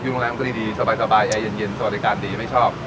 โรงแรมก็ดีสบายใจเย็นสวัสดิการดีไม่ชอบ